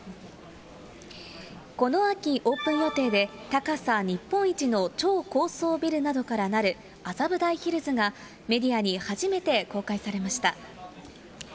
この秋オープン予定で、高さ日本一の超高層ビルなどからなる麻布台ヒルズが、メディアに初めて公開されました。